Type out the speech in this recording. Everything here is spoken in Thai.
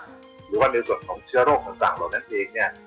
หรือว่าในส่วนของเชื้อโรคต่างเหล่านั้นเองเนี่ย